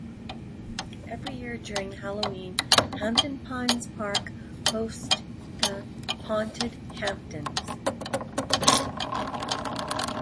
Every year, during Halloween, Hampton Pines Park host the Haunted Hamptons.